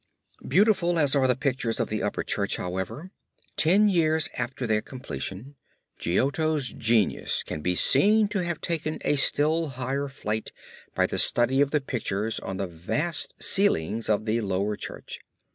Beautiful as are the pictures of the Upper Church, however, ten years after their completion Giotto's genius can be seen to have taken a still higher flight by the study of the pictures on the vast ceilings of the Lower Church.